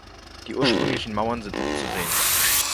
Die ursprünglichen Mauern sind noch zu sehen.